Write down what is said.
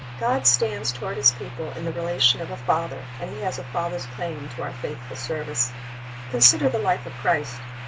God stands toward His people in the relation of a father, and He has a father's claim to our faithful service. Consider the life of Christ.